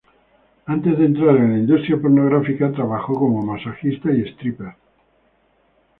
Antes de entrar en la industria pornográfica, trabajó como masajista y stripper.